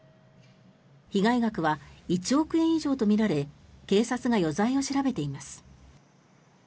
被害額は１億円以上とみられ警察が余罪を調べています。